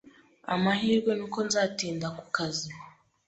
Amahirwe nuko nzatinda kukazi.